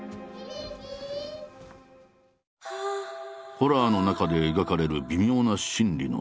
ホラーの中で描かれる微妙な心理の揺れ。